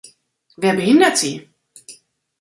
Wer behindert Sie?